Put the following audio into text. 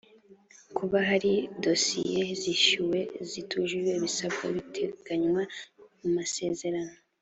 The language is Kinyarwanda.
kuba hari dosiye zishyuwe zitujuje ibisabwa biteganywa mu masezerano